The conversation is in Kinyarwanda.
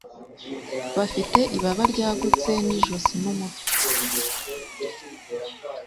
Bafite ibaba ryagutse nijosi n'umutwe